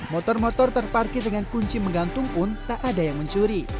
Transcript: motor motor terparkir dengan kunci menggantung pun tak ada yang mencuri